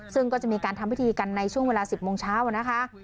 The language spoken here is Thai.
ซึ่งก็จะมีการทำพิธีกันในช่วงเวลา๑๐โมงเช้านะคะ